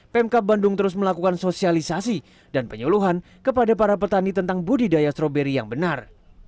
pemkap bandung terus melakukan sosialisasi dan penyuluhan kepada para petani tentang budidaya stroberi yang benar